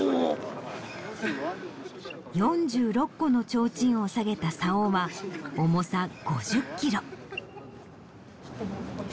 ４６個のちょうちんを下げたさおは重さ５０キロ！